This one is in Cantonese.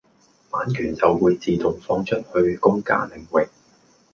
版權就會自動放出去公家領域。